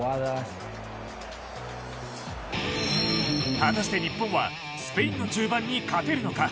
果たして日本はスペインの中盤に勝てるのか。